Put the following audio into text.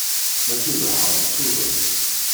Mačči d lɛar usuden.